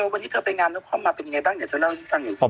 วันนี้เธอไปงานแล้วเข้ามาเป็นอย่างไรบ้างเดี๋ยวเธอเล่าให้ฟัง